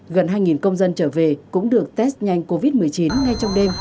gần hai công dân trở về cũng được test nhanh covid một mươi chín ngay trong đêm